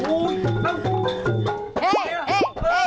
โอ้โฮ